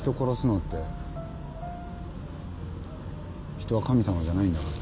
人は神様じゃないんだから。